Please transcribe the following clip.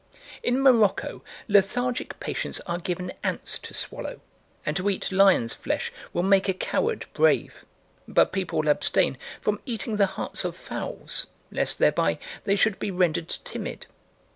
In Morocco lethargic patients are given ants to swallow, and to eat lion's flesh will make a coward brave; but people abstain from eating the hearts of fowls, lest thereby they should be rendered timid.